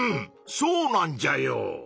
そうなんじゃよ！